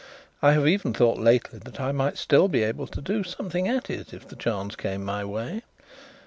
I have even thought lately that I might still be able to do something at it if the chance came my way.